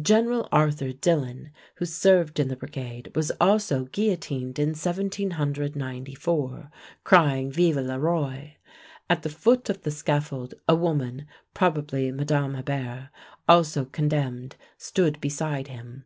General Arthur Dillon, who served in the Brigade, was also guillotined in 1794, crying, "Vive le roi!" At the foot of the scaffold a woman, probably Mme. Hébert, also condemned, stood beside him.